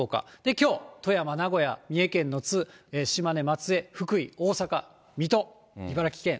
きょう、富山、名古屋、三重県の津、島根・松江、福井、大阪、水戸、茨城県。